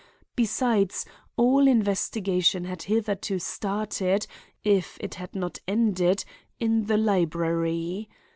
Besides, all investigation had hitherto started, if it had not ended, in the library.